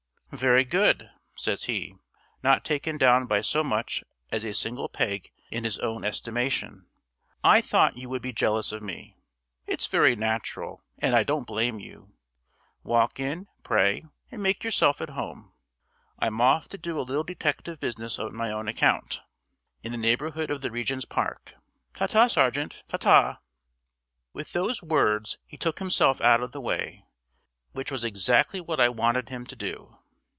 "Very good," says he, not taken down by so much as a single peg in his own estimation. "I thought you would be jealous of me. It's very natural and I don't blame you. Walk in, pray, and make yourself at home. I'm off to do a little detective business on my own account, in the neighborhood of the Regent's Park. Ta ta, sergeant, ta ta!" With those words he took himself out of the way, which was exactly what I wanted him to do.